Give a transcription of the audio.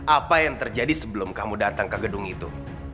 apa yang terjadi sebelum kamu datang ke gedung itu